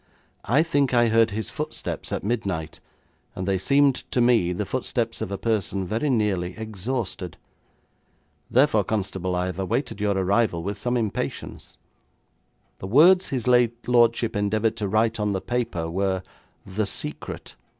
I think I heard his footsteps at midnight, and they seemed to me the footsteps of a person very nearly exhausted. Therefore, constable, I have awaited your arrival with some impatience. The words his late lordship endeavoured to write on the paper were "The Secret".